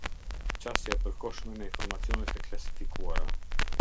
Qasja e Përkohshme në informacionet e Klasifikuara.